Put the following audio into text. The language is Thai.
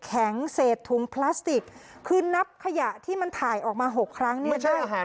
เศษถุงพลาสติกคือนับขยะที่มันถ่ายออกมา๖ครั้งเนี่ย